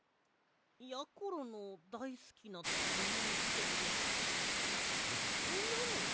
やころのだいすきなたべものってやさいなの？